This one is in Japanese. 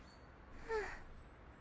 うん。